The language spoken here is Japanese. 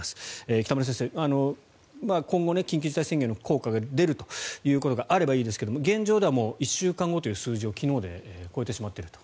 北村先生、今後緊急事態宣言の効果が出るということがあればいいですけど現状ではもう１週間後という数字を昨日で超えてしまっていると。